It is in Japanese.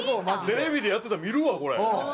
テレビでやってたら見るわこれ。